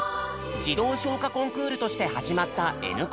児童唱歌コンクールとして始まった「Ｎコン」。